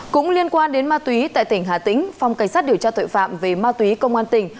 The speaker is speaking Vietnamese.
cũng liên quan đến ma túy tại tỉnh hà tĩnh phòng cảnh sát điều tra tội phạm về ma túy công an tỉnh